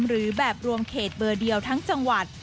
หรือแบบรวมเขตเบอร์เดียวทั้งจังหวัด